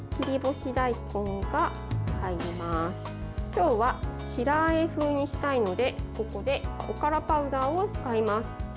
今日は、白あえ風にしたいのでここでおからパウダーを使います。